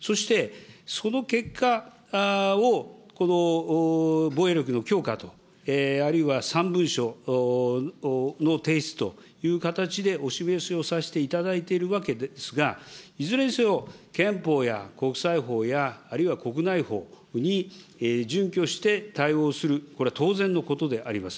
そして、その結果をこの防衛力の強化と、あるいは３文書の提出という形でお示しをさせていただいているわけですが、いずれにせよ憲法や国際法や、あるいは国内法に準拠して対応する、これは当然のことであります。